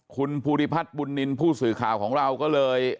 คุณภูริพัฒน์บุญนินทร์ผู้สื่อข่าวของเราก็เลย